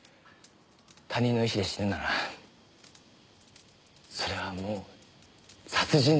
他人の意思で死ぬならそれはもう殺人です。